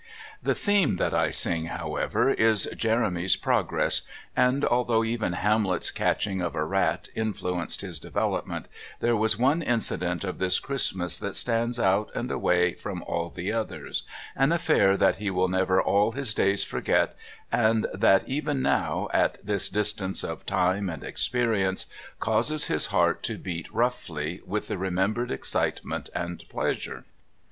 The theme that I sing, however, is Jeremy's Progress, and although even Hamlet's catching of a rat influenced his development, there was one incident of this Christmas that stands out and away from all the others, an affair that he will never all his days forget, and that even now, at this distance of time and experience, causes his heart to beat roughly with the remembered excitement and pleasure.